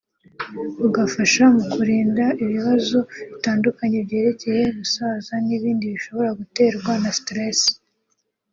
bugafasha mu kurinda ibibazo bitandukanye byerekeye gusaza n’ibindi bishobora guterwa na stress